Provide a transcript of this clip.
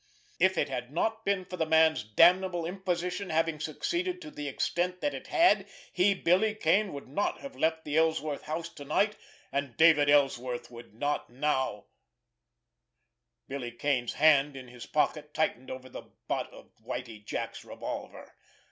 If it had not been for the man's damnable imposition having succeeded to the extent that it had, he, Billy Kane, would not have left the Ellsworth house to night, and David Ellsworth would not now—— Billy Kane's hand, in his pocket, tightened over the butt of Whitie Jack's revolver.